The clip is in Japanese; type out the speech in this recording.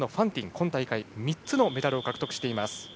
今大会３つのメダルを獲得しています。